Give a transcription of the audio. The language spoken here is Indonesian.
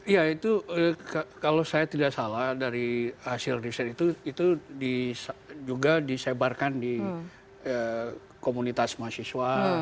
ya itu kalau saya tidak salah dari hasil riset itu juga disebarkan di komunitas mahasiswa